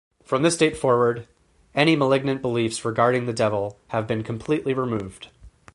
From this date forward, any malignant beliefs regarding the devil have been completely removed.